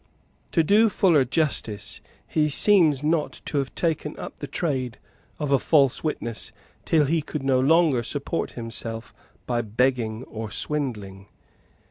To do Fuller justice, he seems not to have taken up the trade of a false witness till he could no longer support himself by begging or swindling.